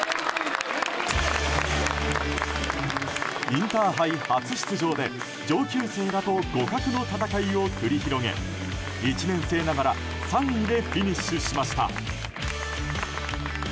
インターハイ初出場で上級生らと互角の戦いを繰り広げ１年生ながら３位でフィニッシュしました。